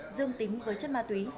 dương tính với chất ma túy